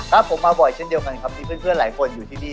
ครับผมมาบ่อยเช่นเดียวกันครับมีเพื่อนหลายคนอยู่ที่นี่